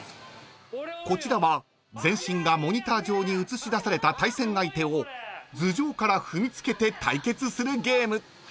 ［こちらは全身がモニター上に映し出された対戦相手を頭上から踏みつけて対決するゲーム］